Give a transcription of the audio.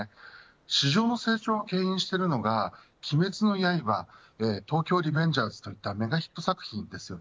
市場の成長をけん引しているのが鬼滅の刃東京卍リベンジャーズといったメガヒット作品です。